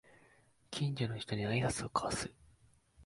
近所の人に会いあいさつを交わす